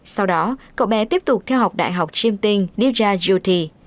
sau đó cậu bé tiếp tục theo học đại học chiêm tin nidra jyoti